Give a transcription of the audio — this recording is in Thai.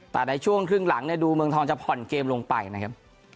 แต่ในช่วงครึ่งหลังเนี่ยดูเมืองทองจะผ่อนเกมลงไปนะครับ